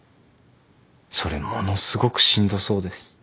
それものすごくしんどそうです。